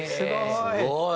すごい！